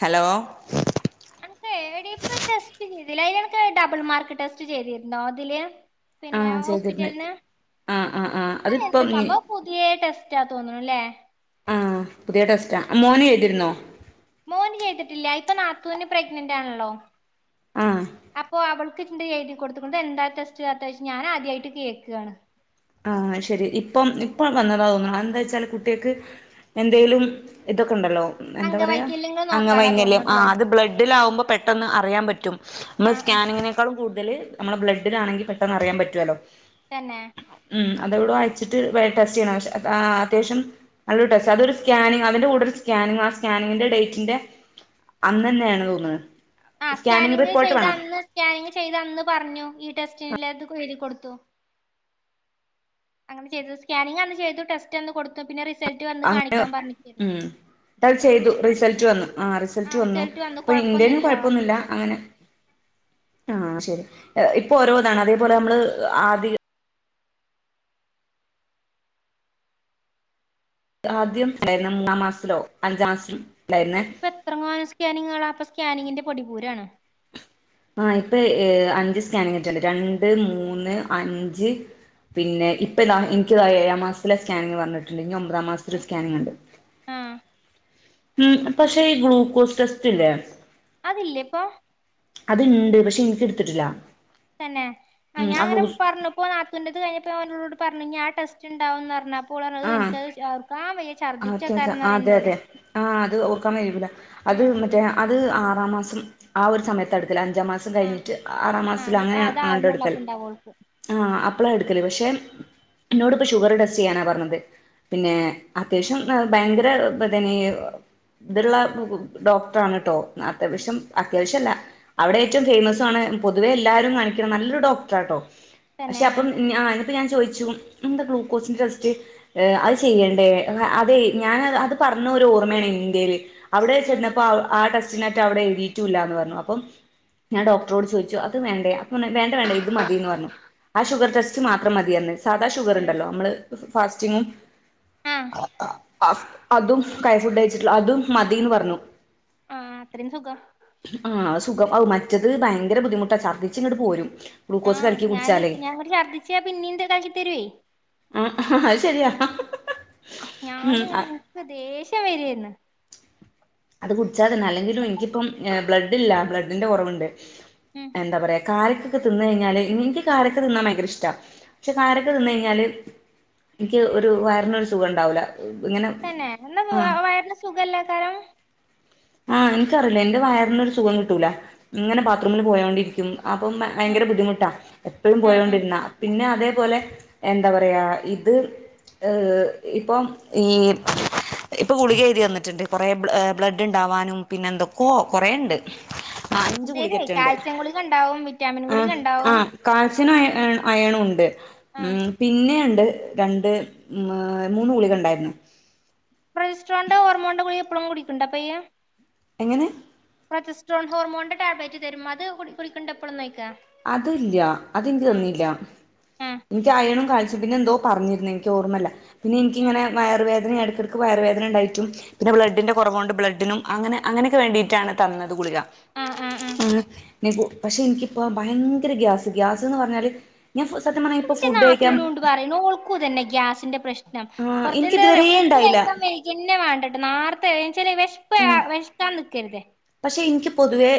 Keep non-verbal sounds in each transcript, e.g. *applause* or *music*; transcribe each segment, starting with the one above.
Hello അന ഇപ്പ test ചെയ്തില്ല അ എനക്ക് ഡബിൾ മാർക്ക് ടെസ്റ്റ് ചെയ്തിരുന്നോ തില് പിന്നെ ആഹ് ചെയ്തിരുന്ന് ഹോസ്പിറ്റലിന്ന് ആഹ് ആഹ് ആഹ് അത് എന്താ അതിപ്പം സംഭവം പുതിയ ടെസ്റ്റാ തോന്ന്ണു ലേ ആഹ് പുതിയ ടെസ്റ്റ ആഹ് മോനെ ചെയ്തിരുന്നോ മോന് ചെയ്തിട്ടില്ല ഇപ്പൊ നാത്തുന് പ്രഗ്നന്റ് ആണല്ലോ ആഹ് അപ്പൊ അവൾ ക്ക്ണ്ട് എഴുതി കൊടുത്ത് കൊണ്ട് എന്താ ടെസ്റ്റ് ആതായ്ച്ച് ഞാൻ ആദ്യായ്ട്ട് കേക്കാണ് ആഹ് ശരി ഇപ്പം ഇപ്പം വന്നതാണ് തോന്നുന്നത് എന്താച്ചാല് കുട്ട്യേക്ക് എന്തേലും ഇതൊക്കെണ്ടല്ലോ എന്താ പറയാ അംഗവൈകല്യങ്ങൾ അങ്ങ നോക്കാനാ വൈകല്യം ആ തോന്നുണുണ്ട്ല്ലേ അത് ബ്ലഡിലാവുമ്പോ പെട്ടെന്ന് അറിയാൻ പറ്റും നമ്മള് ആഹ് ആഹ് സ്കാനിങ്ങിനേക്കാൾ കൂടുതൽ നമ്മളെ ബ്ലഡിലാണെങ്കി പെട്ടെന്ന് അറിയാൻ പറ്റുവല്ലോ തന്നെ ഉം അതെവ്ടോ അയച്ചിട്ട് ടെസ്റ്റ് ചെയ്യണം അത്യാവശ്യം നല്ലൊ ടെസ്റ്റ് അതൊര് സ്കാനിങ് അതിന്റെ കൂടൊരു സ്കാനിങ് ആ സ്കാനിങ്ങിന്റെ ഡേറ്റിന്റെ അന്നന്നേണ് തോന്ന്ണ് ആ സ്കാനിങ് ചെയ്ത് അന്ന് സ്കാനിങ് ചെയ്ത് അന്ന് പറഞ്ഞു ഈ ടെസ്റ്റിൻലേത് എയ്തിക്കൊടുത്തു അങ്ങനെ ചെയ്തു സ്കാനിങ്ങ്ന്ന് ചെയ്തു ടെസ്റ്റ്ന്ന് കൊടുത്തു പിന്നെ റിസൾട്ട് വന്ന് കാണിക്കാൻ പറഞ്ഞിരുന്നു ഇ അത് ചെയ്തു റിസൾട്ട് വന്നു ആ റിസൾട്ട് വന്നു അപ്പൊ ഇന്റെന് കൊഴപ്പൊന്നുല്ല അങ്ങനെ ആ ശരി ഇപ്പൊ ഓരോതാണ് അതേപോലെ നമ്മൾ ആതിക ആദ്യം ണ്ടായിന്ന മൂന്നാം മാസത്തിലോ അഞ്ചാം മാസത്തിലോ ണ്ടായിന്നേ പ്പെത്രങ്ങാനം സ്കാനിങ്ങള പ്പ സ്കാനിങ്ങിന്റെ പൊടിപൂരാണ് ആഹ് ഇപ്പൊ അഞ്ച് സ്കാനിങ്ങെറ്റണ്ട് രണ്ട് മൂന്ന് അഞ്ച് പിന്നെ ഇപ്പതാ ഇൻക്ക്താ ഏഴാ മാസത്തിലെ സ്കാനിങ്ങ് പറഞ്ഞിട്ടുണ്ട് ഇനി ഒമ്പതാം മാസത്തിൽ സ്കാനിങ്ണ്ട് ആഹ് മ് പക്ഷേ ഈ ഗ്ലൂക്കോസ് ടെസ്റ്റ്ല്ലേ അതില്ലേപ്പൊ അത്ണ്ട് പക്ഷെ ഇൻക്ക്ട്ത്തിട്ടില്ല തന്നെ ആ ഞാൻങ്ങനെ പറഞ്ഞുപ്പൊ നത്തുന്റത് കഴിഞ്ഞപ്പോ അവനോട് പറഞ്ഞു ഇനി ആ ടെസ്റ്റ് ണ്ടാവന്നറഞ്ഞ ആഹ് *unintelligible* ആ ചക്ക അതെ അതെ ആ അത് ഓർക്കാൻ കഴിയൂല്ല അത് ഉം മറ്റേ അത് ആറാം മാസം ആ ഒരു സമയത്തട്ക്കല് അഞ്ചാം മാസം മാസം ആഹ് കഴിഞ്ഞിട്ട് ആറാം ആഹ് മാസത്തിൽ അത് അതാവുന്നൊള്ളൂ അങ്ങനെയങ്ങണ്ടട്ക്കൽ അപ്പ ഇണ്ടാവ ഓൾക്ക് ആ അപ്പളാ എടുക്കല് പക്ഷെ ന്നോട്പ്പ ഷുഗർ ടെസ്റ്റ് ചെയ്യാനാ പറഞ്ഞത് പിന്നെ അത്യാവശ്യം ഭയങ്കര പ്പതന്നെ ത്ള്ള ഡോക്ടറാണ് ട്ടോ അത്യാവശ്യം അത്യാവശ്യംല്ല അവിടെ ഏറ്റവും ഫേമസ്സ ആണ് പൊതുവെ എല്ലാവാരും കാണിക്കണ നല്ലൊരു ഡോക്ടറാട്ടോ തന്നെ പക്ഷെ അപ്പം ആഹ് ഇനിപ്പ ഞാൻ ചോദിച്ചു എന്താ ഗ്ലൂക്കോസിന്റെ ടെസ്റ്റ് അത് ചെയ്യണ്ടേ അതെ ഞാൻ അത് പറഞ്ഞ ഒരു ഓർമ്മയാണ് ഇൻറെല് അവിടെ ചെന്ന അപ്പൊ ആ ടെസ്റ്റിനായിട്ട് അവിടെ എഴുതിട്ടൂല്ലന്ന് പറഞ്ഞു അപ്പം ഞാൻ ഡോക്ടറോട് ചോദിച്ചു അത് വേണ്ട അ വേണ്ടേണ്ട ഇത് മതിയന്ന് പറഞ്ഞു ആ ഷുഗർ ടെസ്റ്റ് മാത്രം മതിയന്ന് സാധാ ആഹ് ഷുഗർുണ്ടല്ലോ നമ്മള് ഫാസ്റ്റിങ്ങും ആഹ് അതും കൈ ഫുഡ് അയച്ചിട്ടില്ല അതും മതിന്ന് പറഞ്ഞു ആഹ് അത്രേം സുഖം ആഹ് സുഖം ഔ മറ്റത് ഭയങ്കര ബുദ്ധിമുട്ടാ ഛർദ്ദിച്ചിങ്ങട്ട് പോരും ഗ്ലൂക്കോസ് ആഹ് കലക്കി ഞാന് കുടിച്ചാലേ ഞാനൊട്ട് ശർദ്ദിച്ച പിന്നീന്ത *unintelligible* തരുവേ ആഹഹഹ അത് ശരിയാ ഞാന് ഉം ഇങ്ങട്ട *unintelligible* ദേഷ്യം വരുവേര്ന്നു അത് കുടിച്ചാ തന്നെ അല്ലെങ്കിലും എനിക്കിപ്പം ബ്ലഡ്ഡില്ല ബ്ലഡിൻ്റെ കൊറവുണ്ട് ഉം എന്താ പറയാ കാരക്കൊക്കെ തിന്ന് കഴിഞ്ഞാല്നിക്ക് എനിക്ക് കാരക്ക തിന്നാ ഭയങ്കര ഇഷ്ടാ ക്ഷേ കാരക്ക തിന്നയ്ഞ്ഞാല് എനിക്ക് ഒരു വയറിനൊരു സുഖണ്ടാവില്ല തന്നെ എന്നാ വയറിന് സുഖല്ലാകാരം ആഹ് എംക്കറില്ല എന്റെ വയറിന്നൊരു സുഖം കിട്ടൂല ഇങ്ങനെ ബാത്റൂമില് പോയോണ്ടി ക്കും അപ്പം ഭയങ്കര ആഹ് ബുദ്ധിമുട്ടാ എപ്പഴും ആഹ് ആഹ് പോയൊണ്ടിരുന്ന പിന്നെതേപോലെ എന്താ പറയാ ഇത് ഇപ്പൊം ഈ ഇപ്പൊ ഗുളിക എയ്തി അന്നിട്ടുണ്ട് കൊറെ ബ്ലഡ് ഡ്ണ്ടാവാനും പിന്നെന്തൊക്കോ കൊറേണ്ട് ആ അഞ്ച ശരിയായി ഗുളിക്കറ്റണ്ട് കാൽസ്യം ഗുളിക ഉണ്ടാവും വിറ്റാമിൻ ഗുളിക ആഹ് ഉണ്ടാവും ആഹ് കാൽസിനു അയ അയ് അയണുണ്ട് ആഹ് ഉം പിന്നെണ്ട് രണ്ട് മ മൂന്ന് ഗുളികൊണ്ടാരുന്നു പ്രൊയ്സ്റ്റ്രോണ്ടെ ഹോർമോണ്ടെ ഗുളിയ ഇപ്പോഴും കുടിക്ക്ണ്ട അപ്പയ് എങ്ങനെ പ്രൊജസ്ട്രോൺ ഹോർമോന്റെ ടാബ്ലേറ്റ് തരും അത് കു കുടിക്കണ്ട്പ്പളും നോയ്ക്കാ അത് ല്ല്യ അതെനിക്ക് തന്നില്ല ആഹ് എനിക്ക് അയണും കാൽസോം പിന്നെന്തോ പറഞ്ഞിരുന്നു എനിക്ക് ഓർമ്മല്ല പിന്നെ ഉം എനിക്കിങ്ങനെ വയറുവേദന എടുക്കെടുക്ക് വയറ് വേദനണ്ടായിട്ടും പിന്ന ബ്ലഡിന്റെ കൊറവൊണ്ട് ബ്ലഡിനും അങ്ങനെ അങ്ങനൊക്കെ വേണ്ടീട്ടാണ് തന്നത് ഗുക ആഹ് ആഹ് ആഹ് ആ നിഗു പക്ഷെ എനിക്കിപ്പോ ഭയങ്കര ഗ്യാസ് ഗ്യാസ്ന്ന് പറഞ്ഞാല് ഞാ സത്യം പറഞ്ഞാൽ ഇപ്പോ ഫുഡ് കഴിക്കാം ക്കുതന്നെ ഗ്യാസിന്റെ പ്രശ്നം ആ കുറച്ചന്ത എനിക്കിതുവരേ *unintelligible* ഫുഡ് ഉണ്ടായില്ല കഴിക്കാൻ പിന്നെ വേണ്ടട്ട് നേർത്തെ ഏച്ചാല് വെശ്പ്പ് വെശ്ക്കാൻ നിക്കരുത് പക്ഷെ എനിക്ക് പൊതുവേ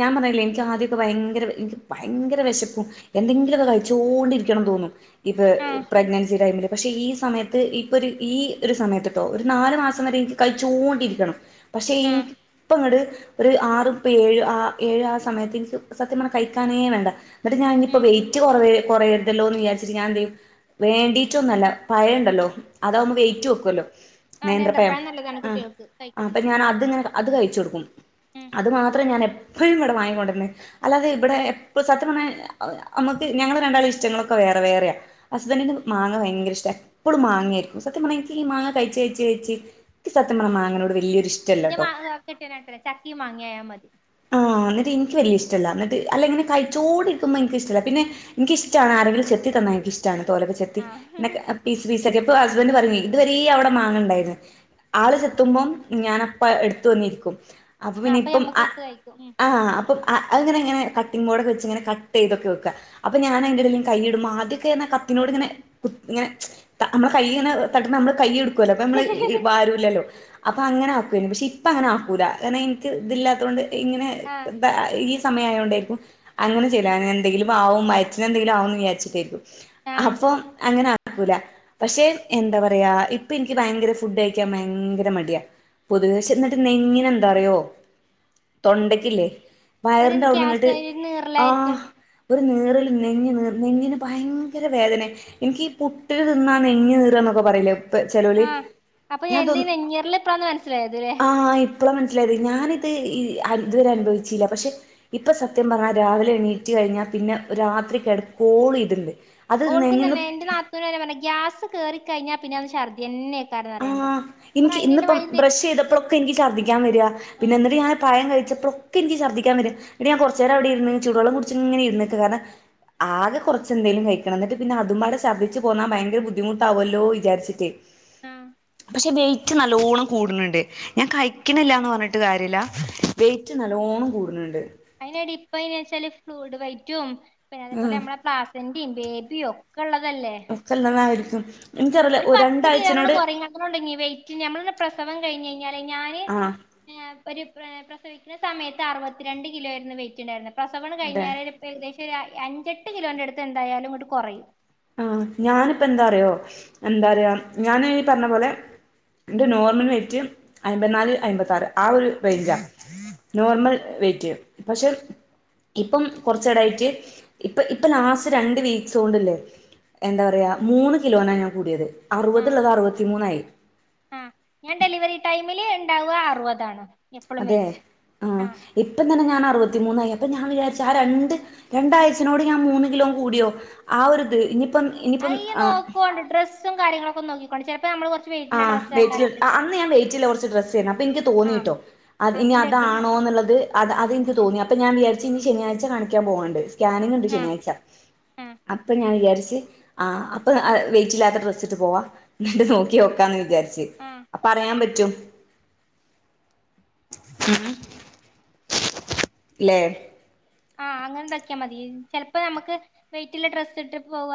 ഞാൻ പറല്ലേ എനിക്ക് ആദ്യൊക്കെ ഭയങ്കര എനിക്ക് ഭയങ്കര വെശപ്പ എന്തെങ്കിലുക്ക കയ്ച്ചോണ്ടിരിക്കണന്ന് തോന്നും ഇപ്പൊ ആഹ് പ്രഗ്നൻസി ടൈമില് പക്ഷേ ഈ സമയത്ത് ഇപ്പൊരു ഈ ഒരു സമയത്ത്ട്ടോ ഒരു നാല് മാസം വരെ എനിക്ക് കയ്ച്ചോണ്ടിരിക്കണം പക്ഷെ ആഹ് ഇപ്പങ്ങട് ഒരു ആറ്പ്പേഴ് ആ ഏഴ് ആ സമയത്ത് എനിക്ക് സത്യംപറന കഴിക്കാനേ വേണ്ട ന്നിട്ട് ഞാനിനിയിപ്പ ഉം വെയിറ്റ് കൊറയ കൊറയരുതല്ലോന്ന് വിചാരിച്ചിട്ട് ഞായെന്തെയും വേണ്ടീട്ടൊന്നല്ല പയണ്ടല്ലോ അതാവുമ്പോ വെയിറ്റ് വെക്കല്ലോ ആഹ് നേന്ത്രപ്പയം നേന്ത്രപ്പഴം നല്ലതാണ് ആഹ് കുട്ടികൾക്ക് ആഹ് അപ്പ കഴിക്ക്ണത് ഞാനതിങ്ങനെ അത് കഴിച്ചൊടുക്കും ഉം അതു മാത്രം ഞാനെപ്പോഴുംവ്ടെ വാങ്ങിക്കൊണ്ടിന്നന്ന് അല്ലാതെ ഇവിടെ എപ്പളു സത്യ പറണ അമ്മക്ക് ഞങ്ങടരണ്ടാളെം ഇഷ്ടങ്ങളൊക്കെ വേറെ വേറെയാ അസ്ബന്റിന് മാങ്ങ ഭയങ്കര ഇഷ്ട എപ്പളും മാങ്ങേയിരിക്കും സത്യംപറഞാ യ്ക്ക് ഈ മാങ്ങ കയ്ച്ച കയ്ച്ച കയ്ച്ച് യ്ക്ക് സത്യംപറ മാങ്ങേനോട് വല്യൊരിഷ്ടം *unintelligible* ചക്കേ മാങ്ങയായാ മതി ആ ന്നിട്ട് ഇൻക്ക് വല്യ ഇഷ്ടല്ല ന്നിട്ട് അല്ല ഇങ്ങനെ കഴിച്ചോണ്ടിരിക്കുമ്പോ ഇൻക്കിഷ്ടല്ല പിന്നെ ഇൻക്കിഷ്ടാണ് ആരെങ്കിലും ചെത്തിത്തന്ന ഇൻക്കിഷ്ടാണ് തോലെക്കെ ചെത്തി ആഹ് എ പീസ്പീസാക്കി പ്പൊ ഹസ്ബൻഡ് പറഞ്ഞേ ഇതുവരേ അവ്ടെ മാങ്ങേണ്ടാരുന്നു ആള് ചെത്തുമ്പം ഞാനപ്പ എടുത്ത് വന്നിക്കും അപ്പൊപിന്നെ ഇപ്പം കയിക്കും ആഹ് അപ്പം അത്ങ്ങനെങ്ങനെ കട്ടിംങ് ബോർഡൊക്കെച്ച്ങ്ങനെ കട്ട് ചെയ്തൊക്കെ വെക്ക്കാ അപ്പൊ ഞാൻ അയിന്റെ എടേൽ കയിടും ആദ്യൊക്കെ ഇങ്ങനെ കത്തിനോട് ഇങ്ങനെ കു ഇങ്ങനെ നമ്മള കൈ ഇങ്ങനെ എഹ് തട്ട്മ്മ നമ്മള് കൈ എടുക്കുവല്ലോ അപ്പൊ മ്മള് വാരൂല്ലല്ലോ അപ്പം അങ്ങനെ ആക്കുവേയ്നു പക്ഷെ ഇപ്പം അങ്ങന ആക്കൂല കാരണം എനിക്ക് ഇതില്ലാത്തുകൊണ്ട് ഇങ്ങനെ ആഹ് അ ഈ സമയയൊണ്ടേയിരിക്കും അങ്ങനെ ചെയ്‌ല എന്തെങ്കിലും ആവും വയറ്റിന് എന്തെങ്കിലും ആവുന്ന് വിചാരിച്ചിട്ടേയിരിക്കും ആഹ് അപ്പം അങ്ങന ക്കൂല പക്ഷെ എന്താ പറയാ ഇപ്പം എനിക്ക് ഭയങ്കര ഫുഡ് കഴിക്കാൻ ഭയങ്കര മടിയാ പൊതുവേ ശന്നിട്ട് നെഞ്ഞിന് എന്താറിയോ തൊണ്ടയ്ക്കില്ലേ ഒരു വയറിന്റെ അവിടുന്ന് ഗ്യാസ് ഇങ്ങട്ട് ഒരു ആഹ് നീറലായിരിക്കും ഒരു നീറല് നെഞ്ഞ് നീറ് നെഞ്ഞിന് ഭയങ്കര വേദനേ എനിക്ക് ഈ പുട്ട് തിന്നാ നെഞ്ഞ് നീറാന്നൊക്കെ പറയില്ല ചെലോല് ആഹ് അപ്പൊ ഞാൻ എന്റെ ഈ തൊന്ന് നെഞ്ഞീറല് ഇപ്പളാന്ന് മനസ്സിലായത് ല്ലേ ആഹ് എന് ഇപ്പോളാ മനസ്സിലായത് ഞാനിത് ഈ അ ഇതുവരെ അനുഭവിച്ചില്ല പക്ഷെ ഇപ്പ സത്യം പറഞ്ഞാ രാവിലെ എണീറ്റ് കഴിഞ്ഞാൽ പിന്നെ രാത്രി കെടക്കുവോളം ഇത്ണ്ട് ഓൾക്കും തന്നെ എന്റെ നാത്തൂന്റെ കാര്യം പറഞ്ഞെ ഗ്യാസ് കേറിക്കഴിഞ്ഞാൽ പിന്നെ അത് ഛർദ്ദിയെന്നെ ആയിക്കാരം പറയ്ണ്ട് പറയും ഇനിക്ക് അയിന്ള്ള ഇന്നിപ്പം വഴി ബ്രഷ് വരുത്തരുത് ചെയ്തപ്പോളൊക്കെ ഇൻക്ക് ഛർദ്ദിക്കാൻ വരാ പിന്ന ആഹ് എന്നിട്ട് ഞാൻ പയം കയിച്ചപ്പോളൊ എനിക്ക് ശർദ്ധിക്കാൻ വെരുംപിന്ന ഞാൻ കൊറച്ച് നേരം ഇരുന്ന് ചൂട് വെള്ളം കുടിച്ച് ഇങ്ങനെ ഇര്ന്ന്ക്ക് കാരണം ആകെ കുറച്ചെന്തേലും കയിക്കണം എന്നിട്ട് പിന്നെ അതുംപാടെ ശർദിച്ചു പോന്നാൽ ഭയങ്കര ബുദ്ധിമുട്ടാവുല്ലോ വിചാരിച്ചിട്ട് ആഹ് പക്ഷെ വെയിറ്റ് നല്ലോണ്ണം കൂടുണ്ണ്ണ്ട് ഞാൻ കയിക്കിണില്ലാന്ന് പറഞ്ഞിട്ട് കാര്യല്ല വെയിറ്റ് നല്ലോണ്ണം കൂടുന്ന്ണ്ട് അയിനെടി ഇപ്പ വെച്ചാല് ഫ്ലൂയിഡ് വെയ്റ്റും പിന്നെ അതേപോലെ ഉം നമ്മെ പ്ലാസ് *unintelligible* ബേബി ഒക്കെ ഇള്ളതല്ലേ *unintelligible* ആയിര്ക്കും ഒരു പത്ത് കിലോനോണ് അട്ട് കുറയും അങ്ങനൊണ്ട് നീ വെയിറ്റ് ഞമ്മള പ്രസവം കഴിഞ്ഞ് കഴിഞ്ഞാല് ഞാന് ആഹ് ഒരു പ്രസവിക്ക്ണ സമയത്ത് അറുപന്ത്രണ്ട് രണ്ട് കിലോ ആയിരുന്നു വെയിറ്റ് ഇണ്ടായിരുന്നത് പ്രസവം അങ്ങട് അതെ കഴിഞ്ഞാൽ ഏകദേശം ഒരു അഞ്ചെട്ട് കിലോന്റെ അടുത്ത് എന്തായാലും ഇങ്ങട്ട് കുറയും ആ ഞാനിപ്പ എന്താ റയോ എന്താ റയാ ഞൻ പറഞ്ഞ പോലെ ന്റെ നോർമൽ വെയിറ്റ് അയിമ്പ നാല് അയിമ്പത്താറ് ആ ഒരു ഉം റെയിഞ്ചാ നോർമൽ വെറ്റ് പക്ഷെ ഇപ്പം കുറച്ചടായിട്ട് ഇപ്പ ഇപ്പൊ ലാസ്റ്റ് രണ്ട് വീക്സ് കൊണ്ട്ല്ലേ എന്താ പറയാ മൂന്ന് കിലോനാ ഞാൻ കൂടിയത് അറുപത്ള്ളത് അറുപത്തി മൂന്നായി ആ ഞാൻ ഡെലിവറി ടൈമില് ഉണ്ടാവുക അറുപതാണ് എപ്പളും അതെ വെയിറ്റ് ആ ആഹ് ഇപ്പം തന്നെ ഞാൻ അറുപത്തിമൂന്നായി അപ്പൊ ഞാൻ വിചാരിച്ച ആ രണ്ട് രണ്ടാഴ്ചനോട് ഞാൻ മൂന്ന് കിലോ കൂടിയോ ആ ഒരു ഇത് ഇനി അയ്യ നോക്കോണ്ടണ്ട് ഡ്രസ്സും കാര്യങ്ങളൊക്കെ നോക്കിക്കോണ്ട് ചിലപ്പോ നമ്മൾ ആ വയിറ്റിൽ ആ അന്ന് ഞാൻ വെറ്റില കുറച്ച് ഡ്രസന്നി അപ്പൊ എനിക്ക് ആഹ് തോന്നിയിട്ടോ അത് ഇനി അതിന്റെയൊക്കെ അതാണോ എന്നുള്ളത് അത് അതെനിക്ക് ഉം തോന്നി അപ്പൊ ഞാൻ വിചാരിച്ചിഇനി ശനിയാഴ്ച കാണിക്കാൻ പോകാണ്ട് സ്കാനിങ്ങ ഉണ്ട് ആഹ് ശനിയാഴ്ച ആഹ് അപ്പൊ ഞാൻ വിചാരിച്ച് ആഅപ്പ വെയിറ്റ ഇല്ലാത്ത ഡ്രസ്സിട്ട് പോവാ എന്നിട്ട് നോക്കി നോക്കാന്ന് വിചാരിച്ചു ആഹ് അ പറയാൻ പറ്റും ല്ലേ ആഹ് അങ്ങനെ ണ്ടാക്കിയ മതി ചിലപ്പ് നമുക്ക് വെയിറ്റുള്ള ഡ്രസ്സ്ട്ട് പോവ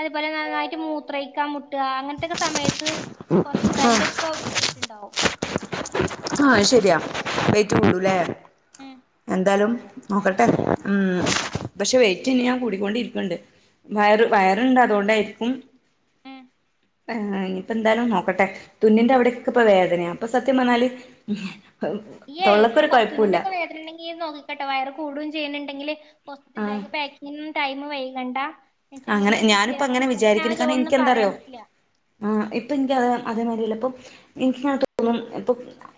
അതുപോലെ നാന്നായിട്ട് മൂത്രയ്ക്കമു ട്ടാ അങ്ങനത്തെക്കെ സമയത്ത് കൊറച്ചും ക ആഹ് അയ്ന്റെക്കെ പോയിറ്റ്ണ്ടാവും ആഹ് അഹ് ശരിയാ വെയിറ്റ് കൂടുലേ ഉം എന്താലും നോക്കട്ടെ ഉം പക്ഷെ വൈറ്റ് ഇനി ഞാൻ കൂടിക്കൊണ്ടിരിക്ണ്ട് വയറ് വയറുണ്ട് അതുകൊണ്ടേരിക്കും ഉം ആഹ് ഇനിയിപ്പോ എന്തായാലും നോക്കട്ടെ തുന്നിന്റെ അവിടെക്കെ ഇപ്പൊ വേദനയാ അപ്പൊ സത്യം പറഞ്ഞാല് തൊള്ളക്കൊരു *unintelligible* കേട്ട കൊഴപ്പുല്ല വയറ് കൂടും ചെയ്യ്ന്നുണ്ടെങ്കില് ഹോസ്പിറ്റൽ ആഹ് ബാഗ് പാക്കിങ്ങും ടൈമ് വൈകണ്ട *inaudible* അങ്ങനെ ഞാനിപ്പ അങ്ങനെ ആ ഇപ്പെനിക്ക് അതേ അതേമാതിരില്ല ഇപ്പൊ എനിക്ക്ങ്ങനെ തോന്നും ഇപ്പൊ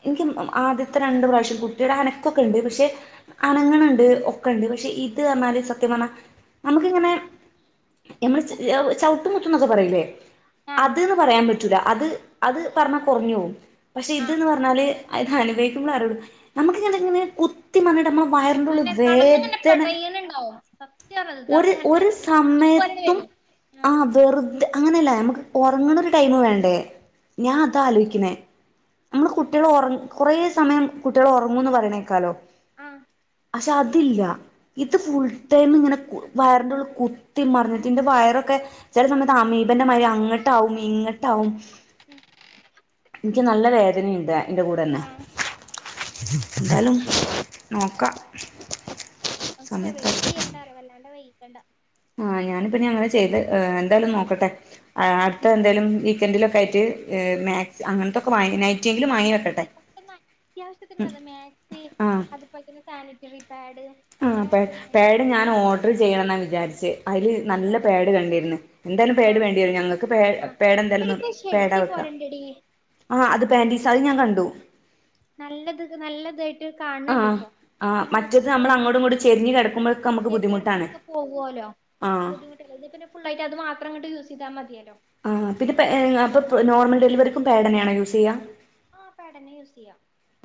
ഇൻക്ക് ആദ്യത്തെ രണ്ട് പ്രാവശ്യം കുട്ടീടെ അനക്കൊക്കെ ഉണ്ട്. പക്ഷെ അനങ്ങ്നുണ്ട് ഒക്കെ ഉണ്ട് പക്ഷെ ഇത് പറഞ്ഞാല് സത്യം പറഞ്ഞാല് നമുക്ക് ഇങ്ങനെ - നമ്മള് ച ചവിട്ടും കുത്തും ന്നൊക്കെ പറയിലേ ആഹ് അത്ന് പറയാ പറ്റൂല അത് അത് പറഞ്ഞാ കൊറഞ്ഞുപോവും പക്ഷേ ആഹ് ഇത്ന്ന് പറഞ്ഞാല് - അത് അനുഭവിക്കുമ്പോൾ അ റിയ്ള്ളൂ നമുക്ക് അത് അങ്ങനെ കുത്ത്- ത്തി മറിഞ്ഞിട്ട് നമ്മള് വയറിന്റെ ഉള്ളില് അതെന്നെ കടന്നിങ്ങനെ വേദന പെടയണുണ്ടാവും സത്യാണത് ഒരു ഇത്താത്തക്ക് അങ്ങനത്തെ ഒര് ഒരു സമയ- ഇക്കിലി പോലെ സമയത്തും വരും ആഹ് - വെറുതെ അങ്ങനെയല്ല ഞമുക്ക് ഒറങ്ങണ ഒരു ടൈം വേണ്ടേ ഞാൻ അതാ ആലോചിക്കുന്നേ നമ്മള് കുട്ടികള് ഒറ കൊറെ സമയം കുട്ടികള് ഒറങ്ങുന്ന് പറയണ കെക്കാലോ ആഹ് പക്ഷെ അതില്ല ഇത് ഫുൾ ടൈം ഇങ്ങനെ വയറിന്റെ ഉള്ളില് കു- കുത്തിമറിഞ്ഞിട്ട് എന്റെ വയറൊക്കെ ചെല സമയത്ത് അമീപന്റെ മാതിരി അങ്ങോട്ടാവും ഇങ്ങട്ടാവും- *inaudible* എനിക്ക് നല്ല വേദനയുണ്ട് അയി ൻ്റെ കൂടെന്നെ. ആഹ് എന്നാലും നൊക്കാം നമക്ക് വെയിറ്റ് ചെയ്യ്ണ്ട വല്ലാണ്ട് വൈകിക്കണ്ട. ആഹ് ഞാനിപ്പ ഇനി അങ്ങനെ ചെയ്ത് എന്തായാലും നോക്കട്ടെ അടുത്ത ഉം. എന്തായാലും ഈ.. സെക്കൻഡി *unintelligible* ലൊക്കെയിട്ട് മാക് അങ്ങനത്തൊക്കെ വാങ്ങി നൈറ്റെങ്കിലും ആ വാങ്ങി വെക്കട്ടെ മാക്സി പക്ഷെ ന- ഉം അത്യാവശ്യത്തിനുള്ളത് മാക്സി ആഹ് അതുപോലെ തന്നെ സാനിറ്ററി പാഡ്- ആ അങ്ങനെ പാട് പിന്നെ പാട് ജസ്റ്റ് ഞാൻ അവിടെ ഓർഡർ ചെയ്യണംന്നാ വിചാരിച്ചെ അതില് നല്ല തന്നെ പാട് കണ്ടിരുന്ന് എന്തായാലും പാട് ആഹ് വേണ്ടിവരും ഞങ്ങൾക്ക് പേ ആഹ് പേട് എന്തായാലും ഇപ്പൊ പേട ഷെഡി വെക്കാം പോലെണ്ടെടി എടി ആഹ് അത് പാൻറ്റീസാ അത് ഞാൻ കണ്ടു നല്ലത് നല്ലത് കാണണ്ട് ആഹ് ഇപ്പൊ ആഹ് ഇങ്ങനെ മറ്റത് ഹോസ്പിറ്റൽ നമ്മൾ ബേഗിലൊക്കെ അങ്ങോട്ടും ഇങ്ങോട്ടും എല്ലാവർക്കും ചെരിഞ്ഞ് കിടക്കുമ്പോഴൊക്കെ നമുക്ക് ചെരിഞ്ഞു ബുദ്ധിമുട്ടാണ് കെടുമ്പോഴൊക്കെ പോകുല്ലോ ആഹ് അല്ലെങ്കിൽ പിന്നെ ഫുൾളായിട്ട് അത് മാത്രങ്ങട്ട് യൂസ് ചെയ്താമതിയല്ലോ ആഹ് പിന്നെ അപ്പൊ നോർമൽ ഡെലിവറിക്കും പാഡ് തന്നെയണോ യൂസ് ചെയ്യാ ആഹ് പാട് തന്നെ യൂസ് ചെയ്യ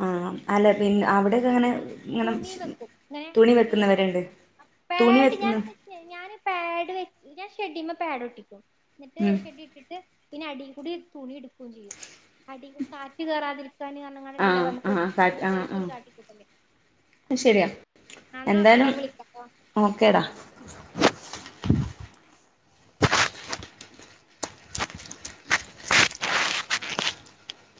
ആഹ് അല്ല പിന്നെ അവിടെയക്കെ അങ്ങനെ- അങ്ങനെ തുണി വെക്കും ഇങ്ങനെ തുണി ഇങ്ങനെ വെക്കുന്നവരണ്ട് തുണിവെക്കുന്നു ! ! ! ! ! ! ! ഉം ! ! ! പിന്നെ അടിൽകൂടി തുണി ഉടുക്കുകയും ചെയ്യും അടിയില് കാറ്റ് കയറാതിരിക്കാൻ പറഞ്ഞങ്ങണ്ട് ആ ഉണ്ടലോ നമുക്ക് ആ കാ വീട്ടുകാരു കാട്ടിക്കൂട്ടല്ലേ ശരിയാണ് എന്ന ഓകെ ട്ടാ ഞാൻ വിളിക്കാ ട്ടോ ഓക്കെടാ